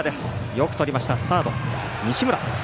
よくとりましたサード、西村。